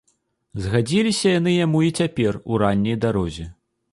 Згадзіліся яны яму і цяпер, у ранняй дарозе.